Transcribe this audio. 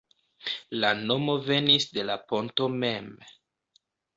La nomo venis de la ponto mem.